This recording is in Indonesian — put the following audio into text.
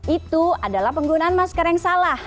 itu adalah penggunaan masker yang salah